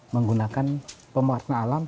menggunakan pewarna alam